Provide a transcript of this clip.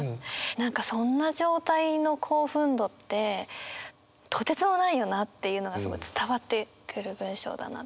何かそんな状態の興奮度ってとてつもないよなっていうのがすごい伝わってくる文章だな。